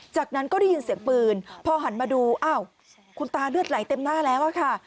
จากนั้นก็ได้ยินเสียงปืนพอหันมาดูอ้าวคุณตาเลือดไหลเต็มหน้าแล้วอะค่ะ